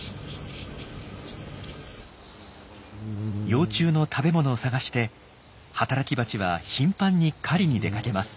幼虫の食べ物を探して働きバチは頻繁に狩りに出かけます。